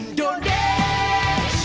desa kuperkan semangatmu